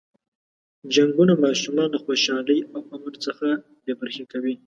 جنګونه ماشومان له خوشحالۍ او امن څخه بې برخې کوي.